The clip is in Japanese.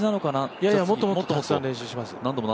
いやいや、もっとたくさん練習します。